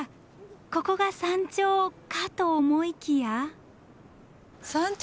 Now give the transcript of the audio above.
ここが山頂かと思いきや。